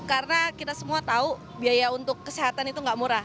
karena kita semua tahu biaya untuk kesehatan itu tidak murah